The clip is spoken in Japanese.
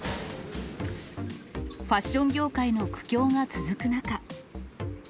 ファッション業界の苦境が続く中。